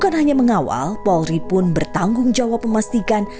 di awal polri pun bertanggung jawab memastikan